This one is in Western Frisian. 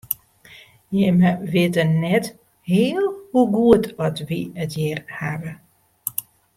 Jimme witte net heal hoe goed oft wy it hjir hawwe.